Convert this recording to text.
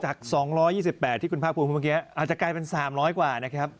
จาก๒๒๘ที่คุณภาคภูมิคุณเมื่อกี้อาจจะกลายเป็น๓๐๐กว่านะครับ